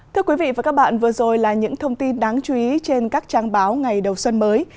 thưa quý vị và các bạn vừa rồi là những thông tin đáng chú ý trên các trang báo ngày đầu xuân mới